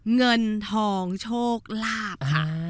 เงินทองโชคลาภค่ะ